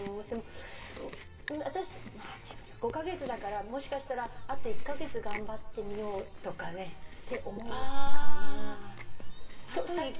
でも私５カ月だからもしかしたらあと１カ月頑張ってみようって思うかな。